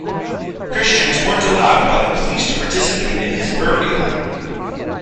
Christians weren't allowed by the police to participate in his burial.